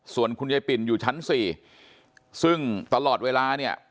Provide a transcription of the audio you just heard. ส่วนคุณยายปิ่นอยู่ชั้น๔ซึ่งตลอดเวลาเนี่ย